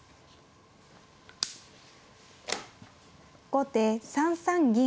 後手３三銀。